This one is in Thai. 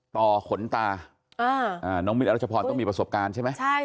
ต่อขนตาน้องมิดอรัชพรต้องมีประสบการณ์ใช่ไหม